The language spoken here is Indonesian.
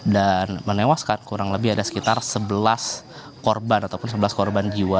dan menewaskan kurang lebih ada sekitar sebelas korban ataupun sebelas korban jiwa